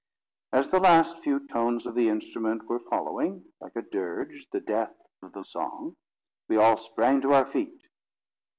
As the last few tones of the instrument were following, like a dirge, the death of the song, we all sprang to our feet.